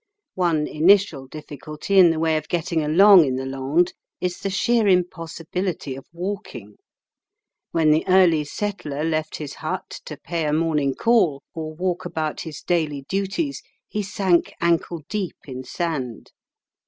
One initial difficulty in the way of getting along in the Landes is the sheer impossibility of walking. When the early settler left his hut to pay a morning call or walk about his daily duties, he sank ankle deep in sand.